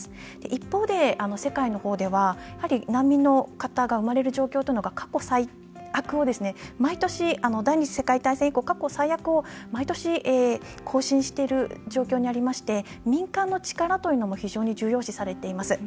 一方で、世界の方では難民の方が生まれる状況というのが第２次世界大戦以降過去最悪を毎年更新している状況にありまして民間の力というのも非常に重要視されています。